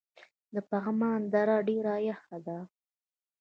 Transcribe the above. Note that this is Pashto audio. د پغمان دره ډیره یخه ده